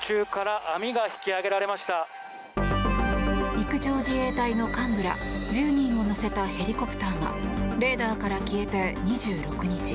陸上自衛隊の幹部ら１０人を乗せたヘリコプターがレーダーから消えて２６日。